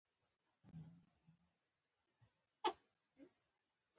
د زیرمو کنګل کول د سیاسي اهدافو لپاره اقتصادي اقدام دی